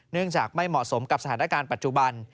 เนื่องจากไม่เหมาะสมกับสถานการณ์ปัจจุบัน